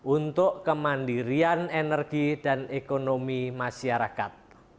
untuk kemandirian energi dan ekonomi masyarakat